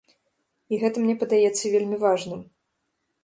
І гэта мне падаецца вельмі важным.